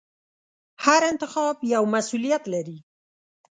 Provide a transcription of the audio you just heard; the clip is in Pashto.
هر انتخاب یو مسوولیت لري.